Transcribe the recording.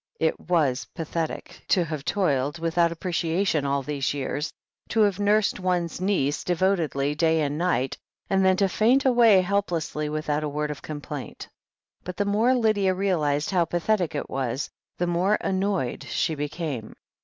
It was pathetic to have toiled, without ap preciation, all these years, to have nursed one's niece de votedly day and night, and then to faint away helplessly without a word of complaint. But the more Lydia realized how pathetic it was, the more annoyed she became.